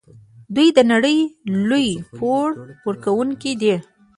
دوی د نړۍ لوی پور ورکوونکي دي.